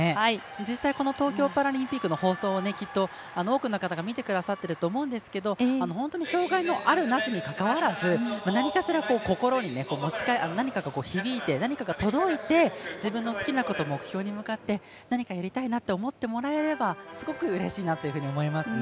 実際、この東京パラリンピックの放送を多くの方が見てくださっていると思うんですけど紹介のあるなしに関わらずなにかしら心に何かが響いて何かが届いて自分の好きなことの目標に向かって何かやりたいなと思ってもらえればすごくうれしいなというふうに思いますね。